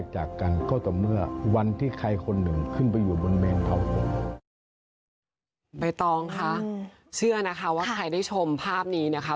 เชื่อนะคะว่าใครได้ชมภาพนี้นะคะ